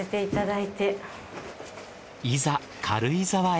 いざ軽井沢へ。